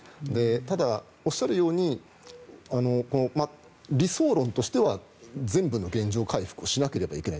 ただ、おっしゃるように理想論としては全部の原状回復をしなきゃいけない。